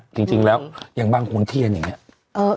จริงจริงแล้วอย่างบ้างขุนเที่ยนอย่างเงี้ยเออ